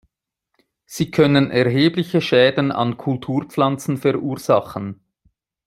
Sie können erhebliche Schäden an Kulturpflanzen verursachen.